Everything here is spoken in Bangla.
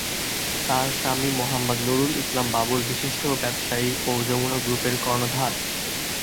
তার স্বামী মোহাম্মদ নুরুল ইসলাম বাবুল বিশিষ্ট ব্যবসায়ী ও যমুনা গ্রুপের কর্ণধার।